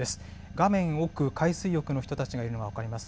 画面奥、海水浴の人たちがいるのが分かります。